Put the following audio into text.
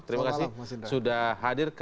terima kasih sudah hadir